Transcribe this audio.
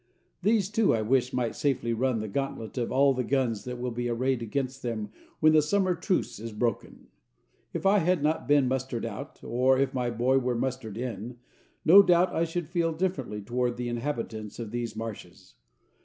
These, too, I wished might safely run the gauntlet of all the guns that will be arrayed against them when the summer truce is broken. If I had not been mustered out, or if my boy were mustered in, no doubt I should feel differently toward the inhabitants of these marshes.